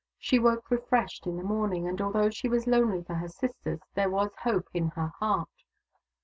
She woke refreshed in the morning, and although she was lonely for her sisters, there was hope in her heart.